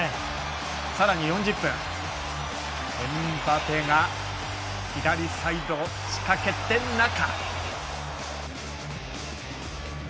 さらに４０分、エムバペが左サイド、仕掛けて、中。